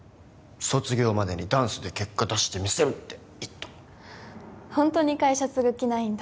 卒業までにダンスで結果出してみせるって言ったホントに会社継ぐ気ないんだ